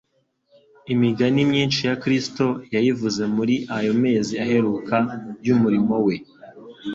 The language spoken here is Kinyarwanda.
Imigani myinshi ya Kristo yayivuze muri ayo mezi aheruka y'umurimo we.